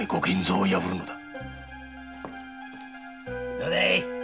どうだい？